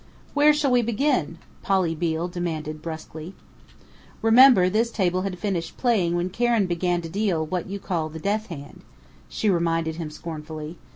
"Where shall we begin?" Polly Beale demanded brusquely. "Remember this table had finished playing when Karen began to deal what you call the 'death hand,'" she reminded him scornfully.